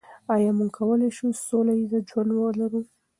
آیا موږ کولای شو سوله ییز ژوند ولرو؟